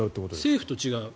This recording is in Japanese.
政府と違う。